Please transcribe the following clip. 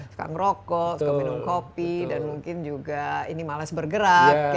suka ngerokok suka minum kopi dan mungkin juga ini males bergerak